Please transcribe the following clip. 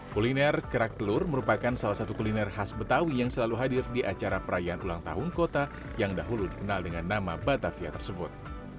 kuliner kerak telur merupakan salah satu kuliner khas betawi yang selalu hadir di acara perayaan ulang tahun kota yang dahulu dikenal dengan nama batavia tersebut